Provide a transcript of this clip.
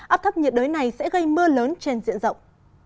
áp thấp nhiệt đới này sẽ gây mưa lớn trên diện rộng